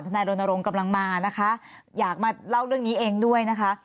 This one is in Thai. นายรณรงค์กำลังมานะคะอยากมาเล่าเรื่องนี้เองด้วยนะคะ